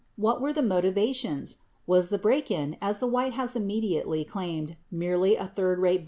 What were the motivations? Was the break in, as the White House immediately claimed, merely a "third rate burglary"